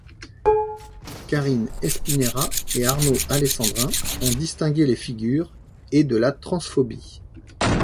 Karine Espineira et Arnaud Alessandrin ont distingué les figures et de la transphobie.